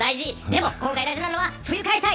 でも、今回大事なのは冬開催。